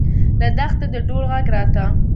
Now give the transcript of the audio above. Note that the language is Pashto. له دښتې د ډول غږ راته.